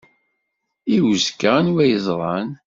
I uzekka anwa i yeẓran?